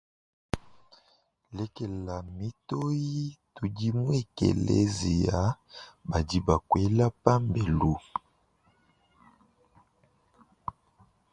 Lekela mitoyi tudi mu ekeleziya badi bakuela pambelu.